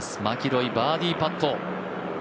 マキロイ、バーディーパット。